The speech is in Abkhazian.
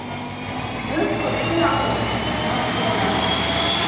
Зны сҟыршы иахәаԥшуан, нас сара.